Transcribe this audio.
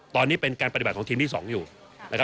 ตอนนี้เป็นการปฏิบัติของทีมที่๒อยู่นะครับ